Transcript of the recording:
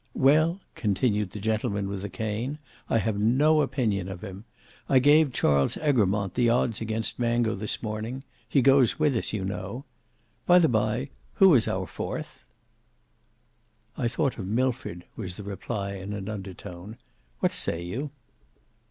"Well," continued the gentleman with the cane, "I have no opinion of him. I gave Charles Egremont the odds against Mango this morning; he goes with us, you know. By the bye, who is our fourth?" "I thought of Milford," was the reply in an under tone. "What say you?"